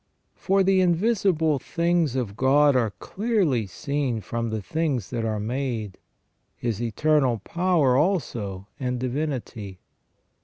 " For the invisible things of God are clearly seen from the things that are made. His eternal power also and divinity."